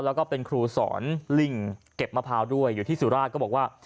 แล้วก็คลูสรริงเก็บมะพร้าวด้วยอยู่ที่ศูราชก็บอกว่า